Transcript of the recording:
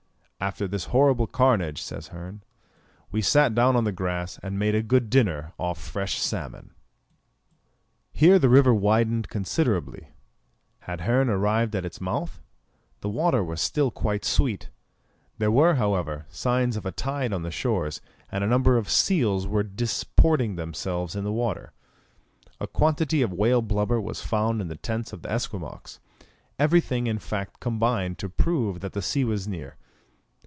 "After this horrible carnage," says Hearn, "we sat down on the grass, and made a good dinner off fresh salmon." Here the river widened considerably. Had Hearn arrived at its mouth? The water was still quite sweet. There were, however, signs of a tide on the shores, and a number of seals were disporting themselves in the water. A quantity of whale blubber was found in the tents of the Esquimaux. Everything in fact combined to prove that the sea was near.